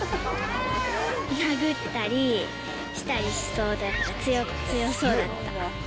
殴ったりしたりしそうだった、強そうだった。